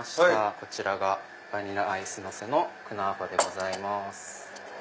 こちらがバニラアイスのせのクナーファでございます。